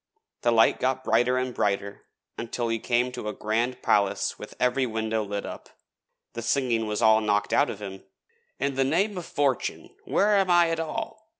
The light got brighter and brighter until he came to a grand palace with every window lit up. The singing was all knocked out of him. 'In the name of Fortune where am I at all?